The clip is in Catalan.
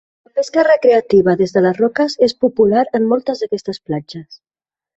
La pesca recreativa des de les roques és popular, en moltes d'aquestes platges.